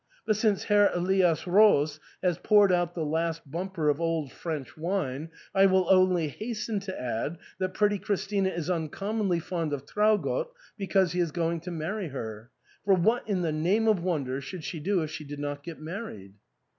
But since Herr Elias Roos has poured out the last bumper of old French wine, I will only hasten to add that pretty Christina is uncommonly fond of Traugott because he is going to marry her ; for what in the name of wonder should she do if she did not get married